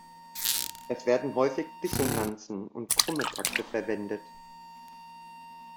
Es werden häufig Dissonanzen und krumme Takte verwendet.